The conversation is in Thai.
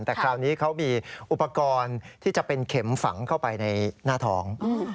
แต่คราวนี้เขามีอุปกรณ์ที่จะเป็นเข็มฝังเข้าไปในหน้าท้อง